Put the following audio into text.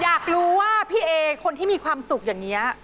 อยากรู้ว่าพี่เอคนที่มีความสุขอย่างนี้